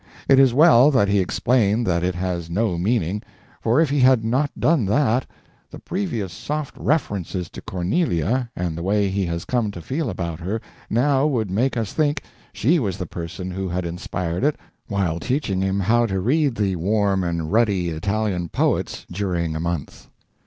It is well that he explained that it has no meaning, for if he had not done that, the previous soft references to Cornelia and the way he has come to feel about her now would make us think she was the person who had inspired it while teaching him how to read the warm and ruddy Italian poets during a month.